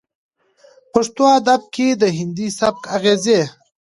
پښتو ادب کې د هندي سبک اغېزې